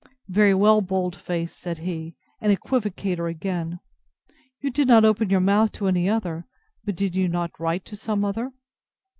Very well, bold face, said he, and equivocator again! You did not open your mouth to any other; but did not you write to some other?